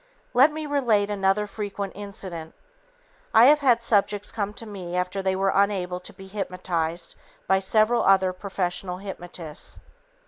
Let me relate another frequent incident. I have had subjects come to me after they were unable to be hypnotized by several other professional hypnotists.